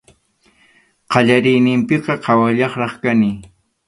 Qallariyninpiqa qhawallaqraq kani.